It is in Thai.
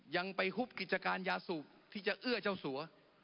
ยังไปฮุบกิจการยาสูบที่จะเอื้อเจ้าสัว